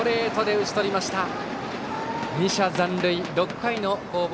打ち取りましたね。